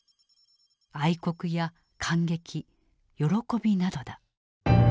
「愛国」や「感激」「喜び」などだ。